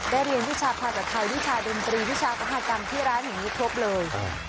เรียนวิชาภาษาไทยวิชาดนตรีวิชากมหากรรมที่ร้านแห่งนี้ครบเลย